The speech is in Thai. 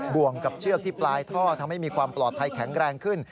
่วงกับเชือกที่ปลายท่อทำให้มีความปลอดภัยแข็งแรงขึ้น